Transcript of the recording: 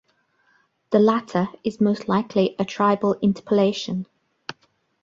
The latter is most likely a scribal interpolation.